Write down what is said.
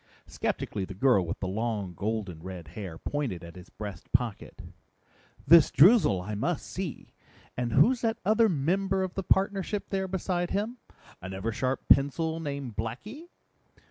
Skeptically the girl with the long, golden red hair pointed at his breast pocket. "This Droozle I must see. And who's that other member of the partnership there beside him? An Eversharp pencil named Blackie?"